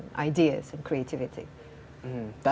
dan ide dan kreativitas